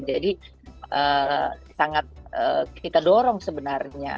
jadi sangat kita dorong sebenarnya